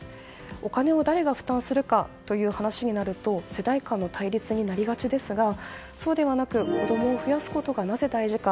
お金を誰が負担するかという話になると世代間の対立になりがちですがそうではなく子供を増やすことがなぜ大事か。